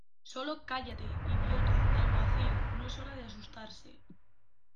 ¡ Sólo cállate, idiota! Alguacil , no es hora de asustarse.